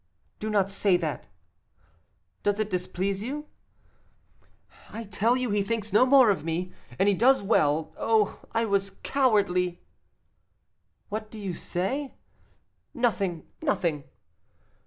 "Do not say that." "Does it displease you?" "I tell you he thinks no more of me; and he does well oh, I was cowardly." "What do you say?" "Nothing, nothing."